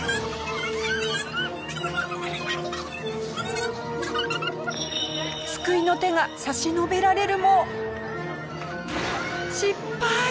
なんと救いの手が差し伸べられるも。